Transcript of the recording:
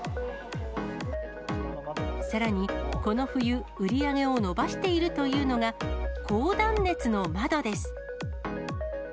さらに、この冬、売り上げを伸ばしているというのが、高断熱の窓です。